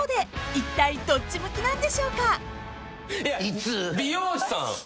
［いったいどっち向きなんでしょうか？］